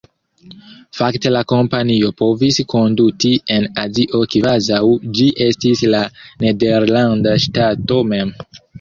Fakte la kompanio povis konduti en Azio kvazaŭ ĝi estis la nederlanda ŝtato mem.